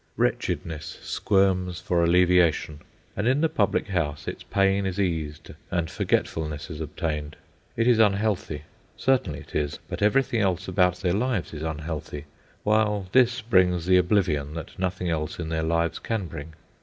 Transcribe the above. Wretchedness squirms for alleviation, and in the public house its pain is eased and forgetfulness is obtained. It is unhealthy. Certainly it is, but everything else about their lives is unhealthy, while this brings the oblivion that nothing else in their lives can bring.